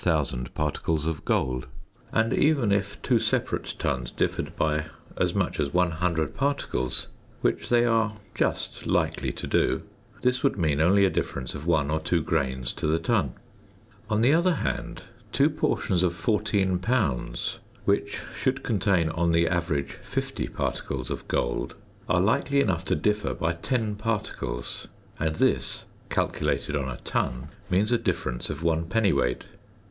For a ton would contain about 8000 particles of gold; and even if two separate tons differed by as much as 100 particles (which they are just likely to do), this would mean only a difference of 1 or 2 grains to the ton. On the other hand, two portions of 14 lbs., which should contain on the average 50 particles of gold, are likely enough to differ by 10 particles, and this, calculated on a ton, means a difference of 1 dwt.